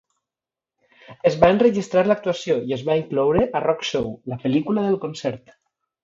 Es va enregistrar l'actuació i es va incloure a Rockshow, la pel·lícula del concert.